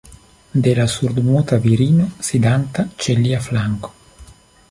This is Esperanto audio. De la surdmuta virino, sidanta ĉe lia flanko.